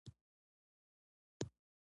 نیکه د ښوونځي د ارزښت خبرې کوي.